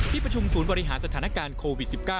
ประชุมศูนย์บริหารสถานการณ์โควิด๑๙